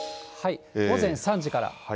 午前３時から。